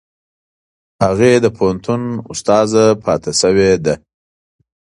هغې د پوهنتون استاده پاتې شوې ده.